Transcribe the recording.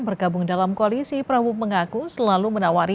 bergabung dalam koalisi prabowo mengaku selalu menawari